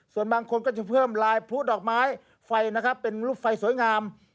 ส่วนบางคนก็จะเพิ่มลายพลุดอกไม้ไฟนะครับเป็นรูปไฟสวยงาม